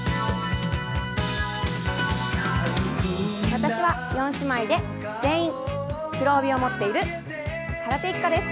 私は４姉妹で全員、黒帯を持っている空手一家です。